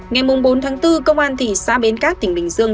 ngày bốn tháng bốn công an thị xã bến cát tỉnh bình dương